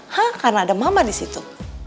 hah karena ada mama di situ